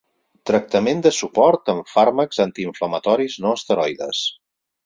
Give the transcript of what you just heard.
Tractament de suport amb fàrmacs antiinflamatoris no esteroides.